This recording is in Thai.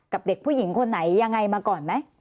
เด็กผู้หญิงคนไหนยังไงมาก่อนไหม